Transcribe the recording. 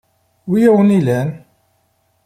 Wi awen-illa?